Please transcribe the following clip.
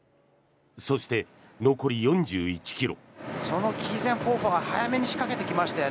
そして、残り４１ｋｍ。